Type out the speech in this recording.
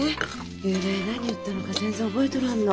ゆうべ何言ったのか全然覚えとらんの。